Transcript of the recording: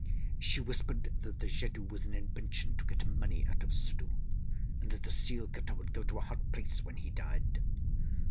She whispered that the jadoo was an invention to get money out of Suddhoo, and that the seal cutter would go to a hot place when he died.